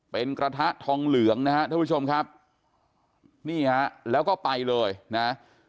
เป็นกระทะทองเหลืองนะฮะท่านผู้ชมครับนี่ฮะแล้วก็ไปเลยนะ